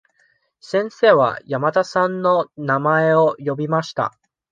先生は山田さんの名前を呼びました。